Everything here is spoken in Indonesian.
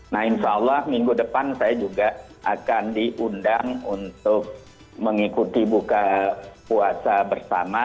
nah insya allah minggu depan saya juga akan diundang untuk mengikuti buka puasa bersama